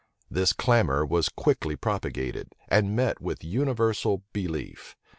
This clamor was quickly propagated, and met with universal belief.